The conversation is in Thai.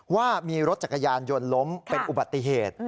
ว่ามีรถจักรยานยนต์ล้มเป็นอุบัติเหตุ